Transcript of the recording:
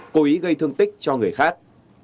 cố ý gây thương tích cho người khác